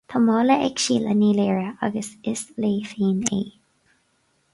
Tá mála ag Síle Ní Laoire, agus is léi féin é